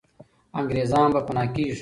انګریزان به پنا کېږي.